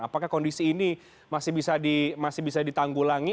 apakah kondisi ini masih bisa ditanggulangi